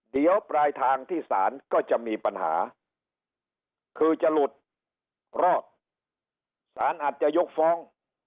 เดี๋ยวปลายทางที่ศาลก็จะมีปัญหาคือจะหลุดรอดสารอาจจะยกฟ้อง